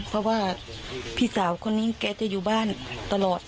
เพราะว่าพี่สาวคนนี้แกจะอยู่บ้านตลอด